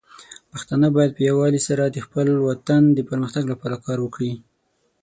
پښتانه بايد په يووالي سره د خپل وطن د پرمختګ لپاره کار وکړي.